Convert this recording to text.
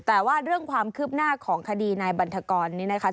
แต่ว่าเรื่องความคืบหน้าของคดีนายบันทกรนี้นะคะ